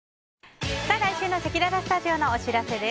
来週のせきららスタジオのお知らせです。